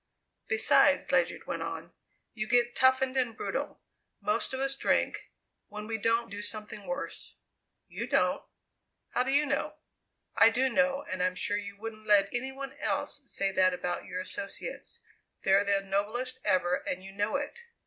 "Besides," Ledyard went on; "you get toughened and brutal; most of us drink, when we don't do something worse." "You don't." "How do you know?" "I do know, and I'm sure you wouldn't let any one else say that about your associates; they're the noblest ever and you know it!"